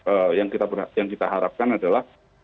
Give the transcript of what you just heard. ee yang kita harapkan adalah